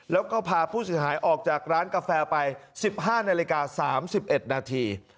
แล้วก็พาผู้เสียหายออกจากร้านกาแฟไปสิบห้าในรายการสามสิบเอ็ดนาที